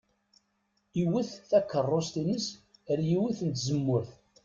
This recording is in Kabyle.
Iwet takeṛṛust-ines ar yiwet n tzemmurt.